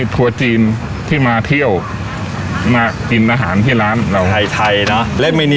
ทัวร์จีนทัวร์จีนอ๋อทัวร์ชาวจีน